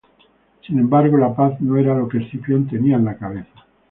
Sin embargo, la paz no era lo que Escipión tenía en la cabeza.